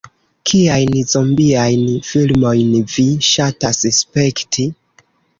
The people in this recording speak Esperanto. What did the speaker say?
"Kiajn zombiajn filmojn vi ŝatas spekti?"